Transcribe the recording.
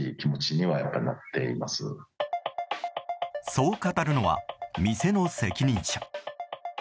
そう語るのは、店の責任者。